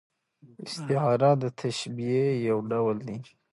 استعاره د تشبیه یو ډول دئ.